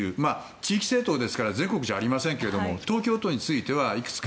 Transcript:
地域政党ですから全国じゃありませんけれど東京都についてはいくつか